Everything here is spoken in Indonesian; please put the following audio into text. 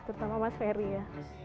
terutama mas feri ya